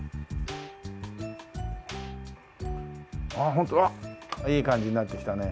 ホントあっいい感じになってきたね。